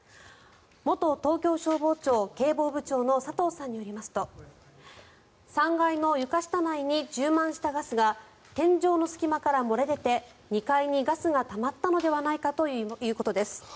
元東京消防庁警防部長の佐藤さんによりますと３階の床下内に充満したガスが天井の隙間から漏れ出て２階にガスがたまったのではないかということです。